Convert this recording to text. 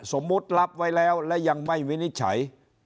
รับไว้แล้วและยังไม่วินิจฉัย